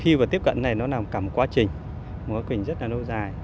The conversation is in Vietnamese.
khi vào tiếp cận này nó là cả một quá trình một quá trình rất là lâu dài